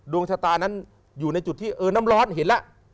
ดวงชะตานั้นอยู่ในจุดที่เออน้ำร้อนเห็นแล้ว